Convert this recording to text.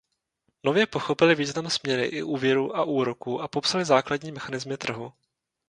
Nově pochopili význam směny i úvěru a úroku a popsali základní mechanismy trhu.